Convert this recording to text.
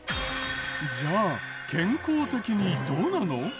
じゃあ健康的にどうなの？